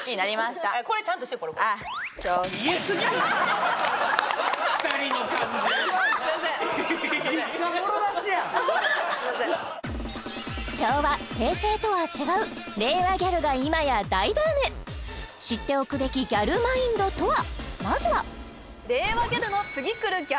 すいません昭和平成とは違う令和ギャルが今や大ブーム知っておくべきギャルマインドとは？